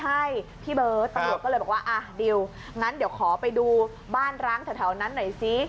ใช่พี่เบิร์ตตำรวจก็เลยบอกว่าอ่ะดิวงั้นเดี๋ยวขอไปดูบ้านร้างแถวนั้นหน่อยซิ